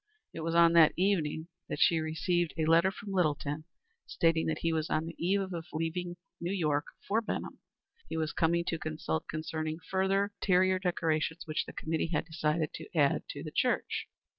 It was on that evening that she received a letter from Littleton, stating that he was on the eve of leaving New York for Benham. He was coming to consult concerning certain further interior decorations which the committee had decided to add to the church.